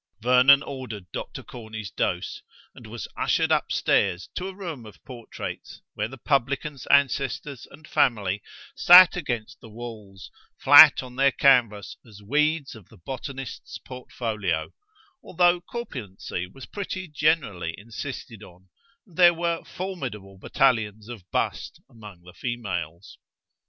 Vernon ordered Dr. Corney's dose, and was ushered upstairs to a room of portraits, where the publican's ancestors and family sat against the walls, flat on their canvas as weeds of the botanist's portfolio, although corpulency was pretty generally insisted on, and there were formidable battalions of bust among the females.